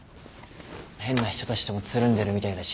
変な人たちともつるんでるみたいだし。